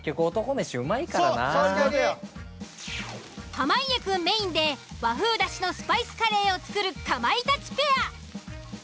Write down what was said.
濱家くんメインで和風だしのスパイスカレーを作るかまいたちペア。